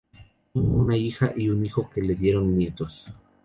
Tuvo una hija y un hijo que le dieron nietos.